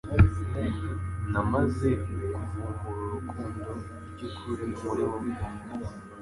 Namaze kuvumbura urukundo ry’ukuri muri wowe